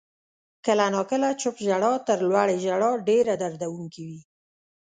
• کله ناکله چپ ژړا تر لوړې ژړا ډېره دردونکې وي.